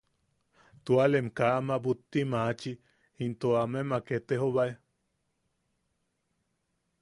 Tualem kaa ama butti mamachi, into amemak etejobae.